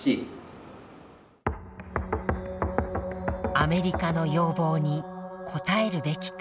アメリカの要望に応えるべきか。